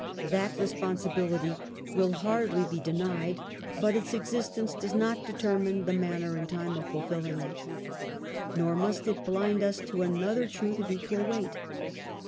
That responsibility will hardly be denied ; but its existence does not determine the manner and time of fulfilling it. Nor must it blind us to another truth of equal weight.